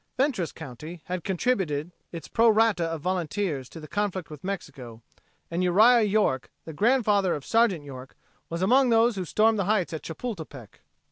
Fentress county had contributed its pro rata of volunteers to the conflict with Mexico, and Uriah York, the grandfather of Sergeant York, was among those who stormed the heights at Chapultepec.